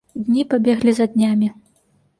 Дні пабеглі за днямі.